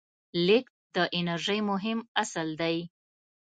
لیږد د انرژۍ مهم اصل دی.